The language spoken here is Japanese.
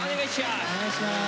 お願いします。